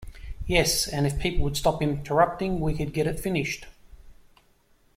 Yes, and if people would stop interrupting we could get it finished.